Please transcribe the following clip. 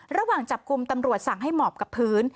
ระหว่างจับกลุ่มตำรวจสั่งให้หมอบกับพื้น